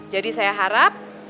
jadi saya harap